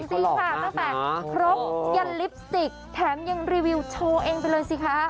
น้องแฟนครบยันลิปสติกแถมยังรีวิวโชว์เองไปเลยสิคะ